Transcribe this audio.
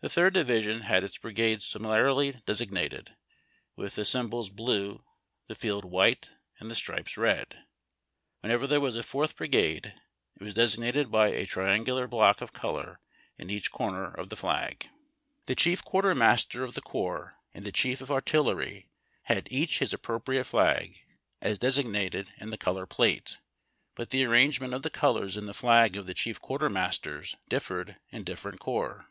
The third division had its brigades similarly designated, with the symbol bbie, the field white, and the stripes red. Whenever there was a fourth brigade, it was designated by a triangular block of color in each corner of the flag. 340 HABD TACK AND COFFEE. The chief quartermaster of tlie cor2:)S and the chief of artillery had each his appropriate flag, as designated in the color plate, but the arrangement of the colors in the Hag of the chief quartermasters differed in different corps.